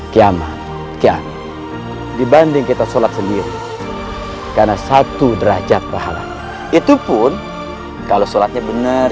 kiamat kian dibanding kita sholat sendiri karena satu derajat pahala itu pun kalau sholatnya benar